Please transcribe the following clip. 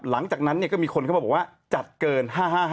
หลังจากนั้นก็มีคนเข้ามาบอกว่าจัดเกิน๕๕